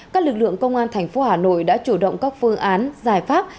các lực lượng công an thành phố hà nội đã chủ động các phương án giải pháp